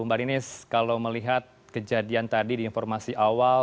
mbak ninis kalau melihat kejadian tadi di informasi awal